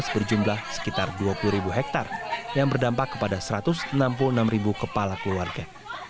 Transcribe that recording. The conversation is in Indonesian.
berjumlah sekitar dua puluh ribu hektare yang berdampak kepada satu ratus enam puluh enam kepala keluarga